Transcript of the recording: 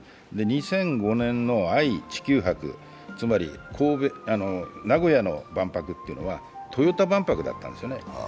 ２００５年の愛・地球博、つまり名古屋の万博というのはトヨタ万博だったんですよね。